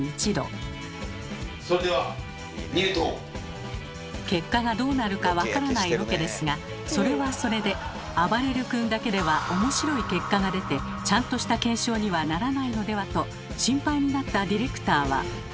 それでは結果がどうなるか分からないロケですがそれはそれであばれる君だけではおもしろい結果が出てちゃんとした検証にはならないのではと心配になったディレクターは。